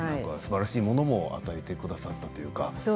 すばらしいものを与えてくださったというか。